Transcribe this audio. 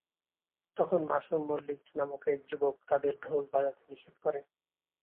তখন মাসুম মল্লিক নামক এক যুবক তাদের ঢোল বাজাতে নিষেধ করে।